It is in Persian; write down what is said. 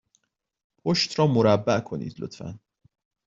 پشت را مربع کنید، لطفا.